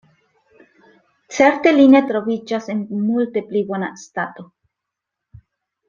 Certe li ne troviĝas en multe pli bona stato.